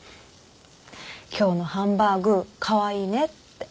今日のハンバーグカワイイねって。